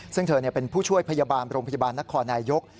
ซึ่งเธอเป็นผู้ช่วยพยาบาลโรงพยาบาลนครนายก